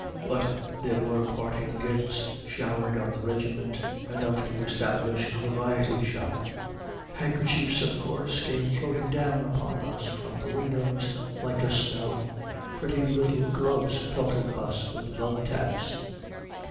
But there were parting gifts showered on the regiment, enough to establish a variety shop. Handkerchiefs, of course, came floating down upon us from the windows, like a snow. Pretty little gloves pelted us with love taps.